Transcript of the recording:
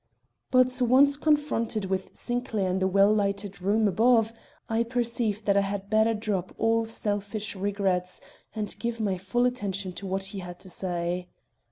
But, once confronted with Sinclair in the well lighted room above, I perceived that I had better drop all selfish regrets and give my full attention to what he had to say.